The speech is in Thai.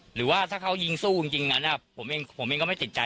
หรือว่าถ้าเขายิงสู้จริงนั้นผมเองผมเองก็ไม่ติดใจ